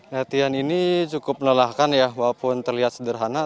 latihan ini cukup melelahkan ya walaupun terlihat sederhana